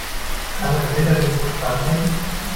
Kann der Behälter dem Druck standhalten?